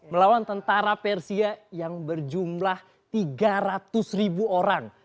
melawan tentara persia yang berjumlah tiga ratus ribu orang